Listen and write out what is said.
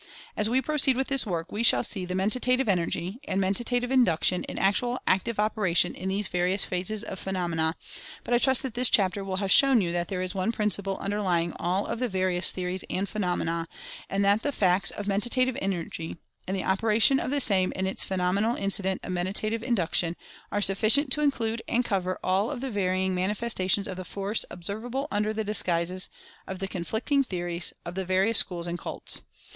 As we proceed with this work we shall see the Men tative Energy, and Mentative Induction in actual active operation in these various phases of phenomena, but I trust that this chapter will have shown you that there is one principle underlying all of the various theories and phenomena, and that the facts of Menta tive Energy, and the operation of the same in its phe nomenal incident of Mentative Induction are sufficient to include and cover all of the varying manfestations of the Force observable under the disguises of the The Reconciliation 47 conflicting theories of the various schools and cults.